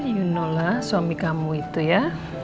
you know lah suami kamu itu ya